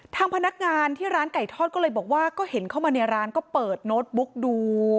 ทางพนักงานที่ร้านไก่ทอดก็เลยบอกว่าก็เห็นเข้ามาในร้านก็เปิดโน้ตบุ๊กดู